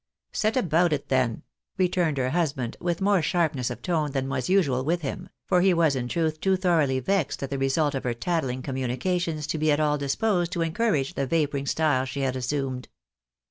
" Set about it, then," returned her husband, with more sharp ness of tone than was usual with him, for he was in truth too thoroughly vexed at the result of her tattling communications to be at all disposed to encourage the vapouring style she had assumed.